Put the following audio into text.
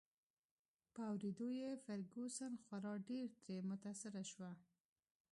په اوریدو یې فرګوسن خورا ډېر ترې متاثره شوه.